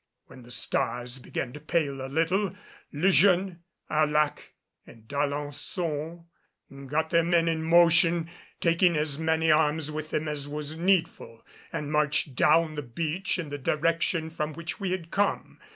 When the stars began to pale a little, Le Jeune, Arlac and D'Alençon got their men in motion, taking as many arms with them as was needful, and marched down the beach in the direction from which we had come.